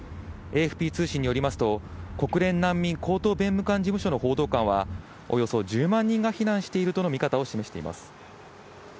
ＡＦＰ通信によりますと、国連難民高等弁務官事務所の報道官は、およそ１０万人が避難しているとの見方を示しています。